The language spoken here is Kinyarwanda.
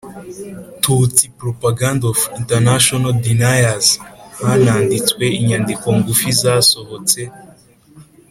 Tutsi Propaganda of international deniers Hananditswe inyandiko ngufi zasohotse